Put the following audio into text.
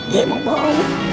ya emang bau